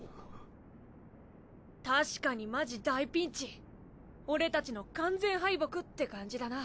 確かにマジ大ピンチ俺たちの完全敗北って感じだな